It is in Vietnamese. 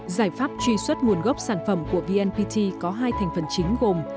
giải pháp truy xuất nguồn gốc sản phẩm của vnpt có hai thành phần chính gồm